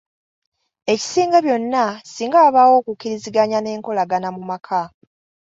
Ekisinga byonna singa wabaawo okukkiriziganya n'enkolagana mu maka.